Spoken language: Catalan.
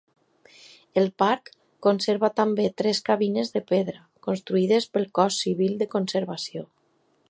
El parc conserva també tres cabines de pedra, construïdes pel Cos Civil de Conservació.